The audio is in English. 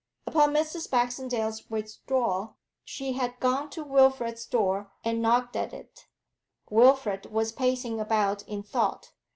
Upon Mrs. Baxendale's withdrawal she had gone to Wilfrid's door and knocked at it. Wilfrid was pacing about in thought.